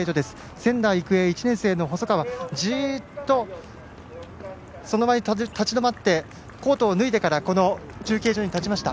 仙台育英、１年生の細川がじっとその場に立ち止まってコートを脱いでから中継所に立ちました。